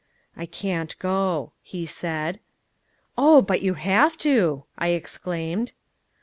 "I can't go," he said. "Oh, but you have to," I exclaimed.